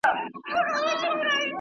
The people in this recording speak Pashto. د خپل ګران وجود په وینو لویوي یې ,